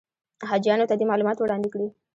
حاجیانو ته دې معلومات وړاندې کړي.